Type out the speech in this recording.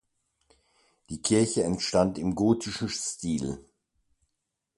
Die Kirche entstand im gotischen Stil.